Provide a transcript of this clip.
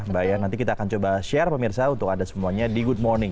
bayang nanti kita akan coba share pemirsa untuk ada semuanya di good morning